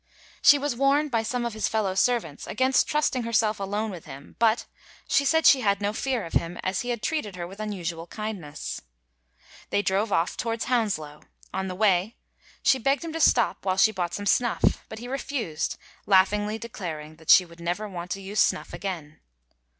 She was warned by some of his fellow servants against trusting herself alone with him, but "she said she had no fear of him, as he had treated her with unusual kindness." They drove off towards Hounslow. On the way she begged him to stop while she bought some snuff, but he refused, laughingly declaring she would never want to use snuff again.